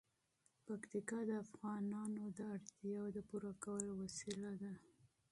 پکتیکا د افغانانو د اړتیاوو د پوره کولو وسیله ده.